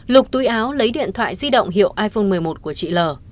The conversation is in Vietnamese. lục túi áo lấy điện thoại di động hiệu iphone một mươi một của chị l